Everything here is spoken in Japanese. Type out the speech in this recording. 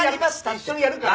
一緒にやるから！